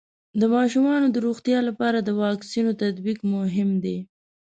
د ماشومانو د روغتیا لپاره د واکسینونو تطبیق مهم دی.